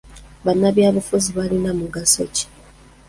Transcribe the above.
Bannabyabufuzi balina mugaso ki?